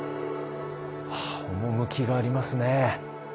趣がありますね。